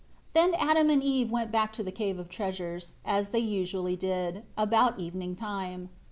15 Then Adam and Eve went back to the Cave of Treasures, as they usually did; about evening time.